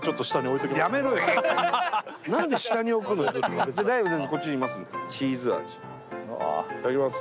いただきます。